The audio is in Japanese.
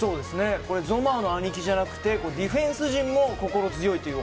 ゾマーの兄貴じゃなくてディフェンス陣も心強いという